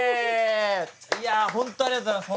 いや本当ありがとうございます。